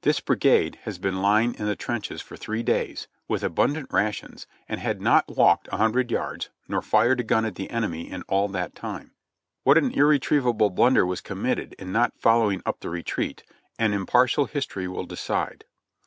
This brigade had been lying in the trenches for three days, with abundant rations, and had not walked a hundred yards nor fired a gun at the enemy in all that time. What an irretrievable blunder was committed in not following up the retreat, an impartial history will decide.